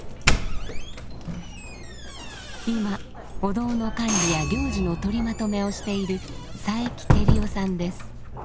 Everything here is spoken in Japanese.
今お堂の管理や行事の取りまとめをしている佐伯照代さんです。